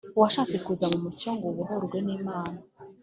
Washatse kuza mumucyo ngo ubohorwe n’Imana